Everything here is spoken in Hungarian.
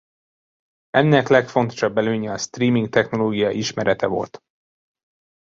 Ennek legfontosabb előnye a streaming-technológia ismerete volt.